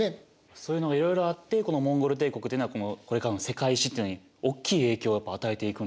そういうのがいろいろあってこのモンゴル帝国というのはこれからの世界史というのにおっきい影響を与えていくんですね。